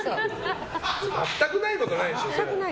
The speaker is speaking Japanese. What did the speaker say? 全くないことないでしょ。